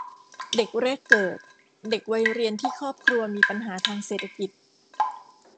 เด็กแรกเกิด เด็กวัยเรียนที่ครอบครัวมีปัญหาทางเศรษฐกิจ